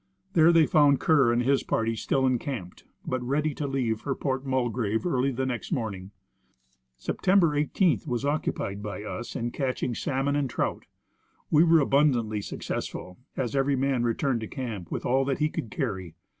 There they found Kerr and his party still encamped, but ready to leave for Port Mulgrave early the next morning. September 18 was occupied by us in catching salmon and trout. We were abundantly successful, as every man returned to camp with all that he could carry.